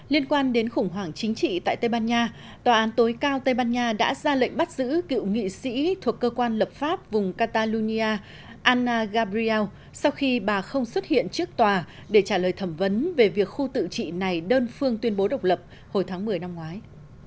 liên quan đến khủng hoảng chính trị tại tây ban nha tòa án tối cao tây ban nha đã ra lệnh bắt giữ cựu nghị sĩ thuộc cơ quan lập pháp vùng catalonia anna gabriel sau khi bà không xuất hiện trước tòa để trả lời thẩm vấn về việc khu tự trị này đơn phương tuyên bố độc lập hồi tháng một mươi năm ngoái